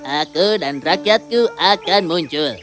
aku dan rakyatku akan muncul